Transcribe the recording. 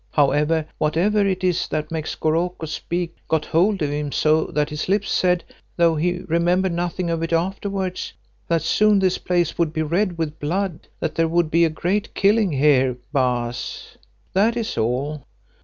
However, whatever it is that makes Goroko speak, got hold of him so that his lips said, though he remembered nothing of it afterwards, that soon this place would be red with blood—that there would be a great killing here, Baas. That is all."